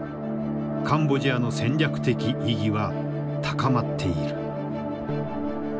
カンボジアの戦略的意義は高まっている。